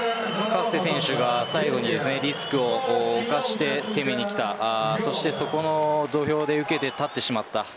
カッセ選手が最後にリスクを冒して攻めにきたそしてそこの土俵で受けて立ってしまった。